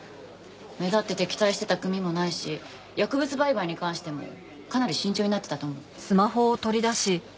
目立って敵対してた組もないし薬物売買に関してもかなり慎重になってたと思う。